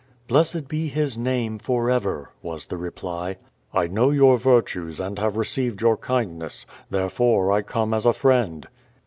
"Blessed be His name forever," was the reply. "I know your virtues and have received your kindness. Therefore, 1 come as a friend."